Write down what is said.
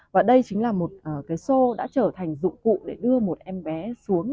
và đây chính là một cái sô đã trở thành dụng cụ để đưa một em bé xuống